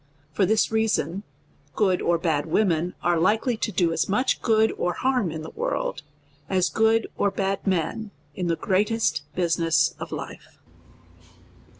For this reason, good or bad, women are likely to do as much good or harm in the world, as good or bad men in the greatest business of life.